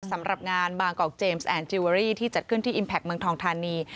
สำหรับงานบางกอกเจมสแอนจิลเวอรี่ที่จัดขึ้นที่อิมแพคเมืองทองทานี